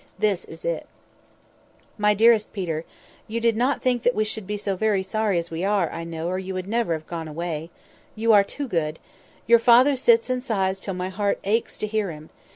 This is it:— "MY DEAREST PETER,—You did not think we should be so sorry as we are, I know, or you would never have gone away. You are too good. Your father sits and sighs till my heart aches to hear him.